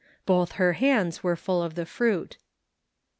Both her hands were full of the fruit.